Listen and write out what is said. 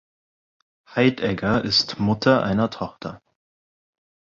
Heidegger ist Mutter einer Tochter.